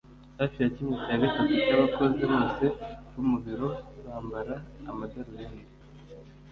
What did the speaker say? Hafi ya kimwe cya gatatu cyabakozi bose bo mu biro bambara amadarubindi